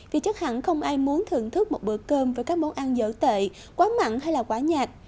vì chắc hẳn không ai muốn thưởng thức một bữa cơm với các món ăn dở tệ quá mặn hay quá nhạt